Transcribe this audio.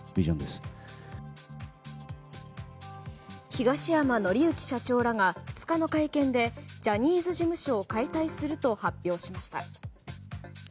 東山紀之社長らが２日の会見でジャニーズ事務所を解体すると発表しました。